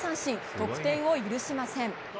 得点を許しません。